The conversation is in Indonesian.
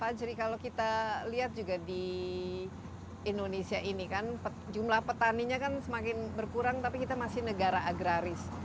fajri kalau kita lihat juga di indonesia ini kan jumlah petaninya kan semakin berkurang tapi kita masih negara agraris